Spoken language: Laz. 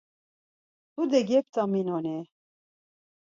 Tude geptaminoni?